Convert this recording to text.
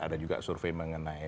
ada juga survei mengenai